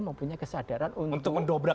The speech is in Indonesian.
mempunyai kesadaran untuk mendobrak